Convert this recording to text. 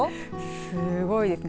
すごいですね。